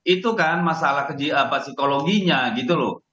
itu kan masalah psikologinya gitu loh